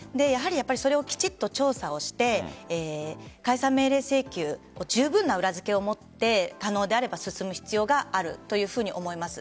それをきちっと調査をして解散命令・請求を十分な裏付けを持って可能であれば進む必要があるというふうに思います。